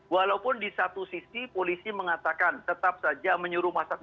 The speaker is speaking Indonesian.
walaupun di satu sisi polisi mengatakan tetap saja menyuruh masyarakat